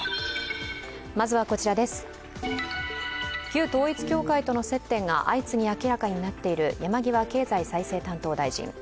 旧統一教会との接点が相次ぎ明らかになっている山際経済再生担当大臣。